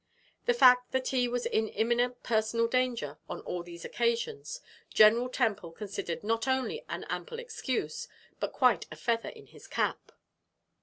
The fact that he was in imminent personal danger on all these occasions, General Temple considered not only an ample excuse, but quite a feather in his cap.